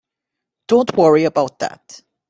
Don't worry about that.